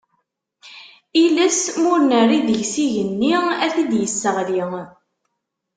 Iles, ma ur nerri deg-s, igenni ad t-id-yesseɣli.